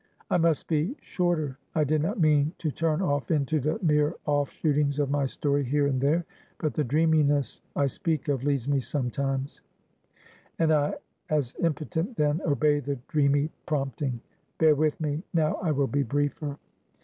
"I must be shorter; I did not mean to turn off into the mere offshootings of my story, here and there; but the dreaminess I speak of leads me sometimes; and I, as impotent then, obey the dreamy prompting. Bear with me; now I will be briefer."